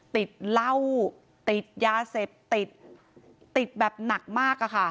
ติดเหล้าติดยาเสธติดแบบหนักมาก